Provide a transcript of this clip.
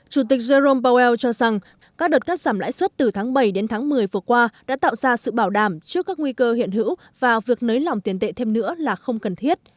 chủ tịch jerome powell cho rằng các đợt cắt giảm lãi suất từ tháng bảy đến tháng một mươi vừa qua đã tạo ra sự bảo đảm trước các nguy cơ hiện hữu và việc nới lỏng tiền tệ thêm nữa là không cần thiết